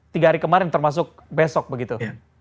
tiga hari kemarin termasuk besok begitu